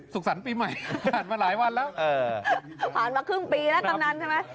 สรรค์ปีใหม่ผ่านมาหลายวันแล้วผ่านมาครึ่งปีแล้วกำนันใช่ไหม